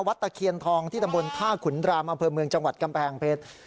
ตะเคียนทองที่ตำบลท่าขุนรามอำเภอเมืองจังหวัดกำแพงเพชร